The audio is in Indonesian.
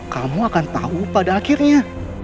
kamu akan tahu pada akhirnya